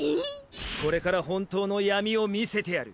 これから本当の闇を見せてやる。